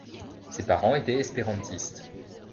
Ses parents étaient espérantistes.